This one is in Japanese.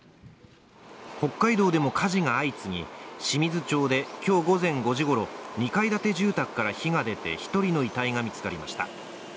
北海道でも火事が相次ぎ、清水町で今日午前５時ごろ、２階建て住宅から火が出て１人の遺体が見つかりました。